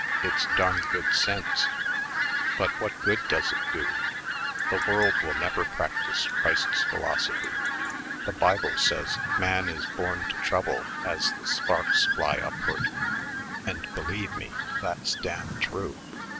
It's darn good sense, but what good does it do? The world will never practice Christ's philosophy. The Bible says, 'Man is born to trouble as the sparks fly upward,' and, believe me, that's damn true.